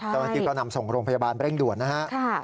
ตอนนี้ก็นำส่งโรงพยาบาลไปเร่งด่วนนะครับ